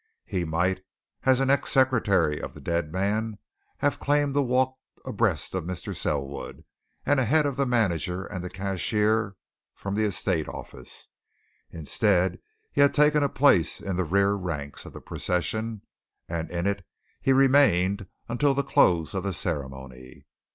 He might, as an ex secretary of the dead man, have claimed to walk abreast of Mr. Selwood, and ahead of the manager and cashier from the estate office; instead, he had taken a place in the rear ranks of the procession, and in it he remained until the close of the ceremony.